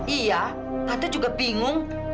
iya tante juga bingung